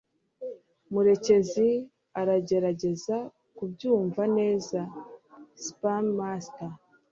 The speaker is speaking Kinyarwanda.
murekezi aragerageza kubyumva neza. (Spamster)